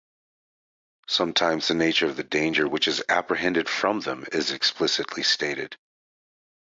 Sometimes the nature of the danger which is apprehended from them is explicitly stated.